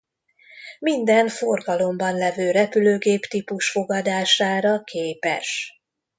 Minden forgalomban levő repülőgéptípus fogadására képes.